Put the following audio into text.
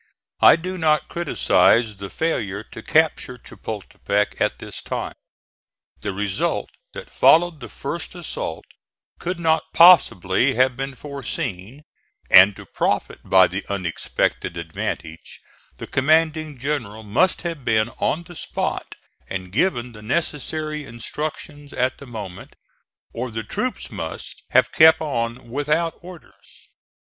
I do not criticise the failure to capture Chapultepec at this time. The result that followed the first assault could not possibly have been foreseen, and to profit by the unexpected advantage, the commanding general must have been on the spot and given the necessary instructions at the moment, or the troops must have kept on without orders.